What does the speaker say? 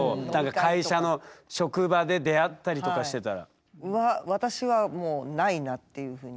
会社の職場で出会ったりとかしてたら。